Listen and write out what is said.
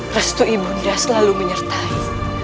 restui bunda selalu menyertai